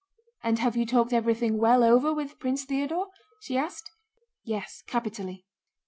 "And have you talked everything well over with Prince Theodore?" she asked. "Yes, capitally."